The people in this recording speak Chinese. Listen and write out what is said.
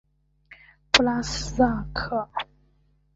布拉萨克。